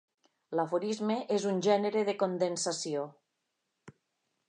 L'aforisme és un gènere de condensació.